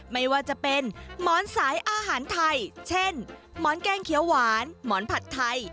ไม่ว่าจะเป็นหมอนสายอาหารไทยเช่นหมอนแกงเขียวหวานหมอนผัดไทย